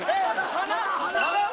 鼻？